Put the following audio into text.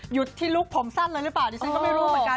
หยุดที่ลุคผมสั้นเลยหรือเปล่าดิฉันก็ไม่รู้เหมือนกัน